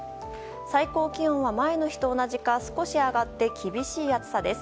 最高気温は前の日と同じか少し上がって厳しい暑さです。